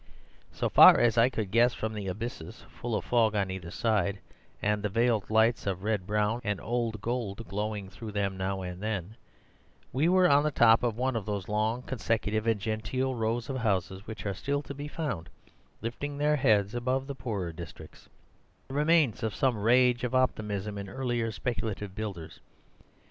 So far as I could guess from the abysses, full of fog on either side, and the veiled lights of red brown and old gold glowing through them now and again, we were on the top of one of those long, consecutive, and genteel rows of houses which are still to be found lifting their heads above poorer districts, the remains of some rage of optimism in earlier speculative builders.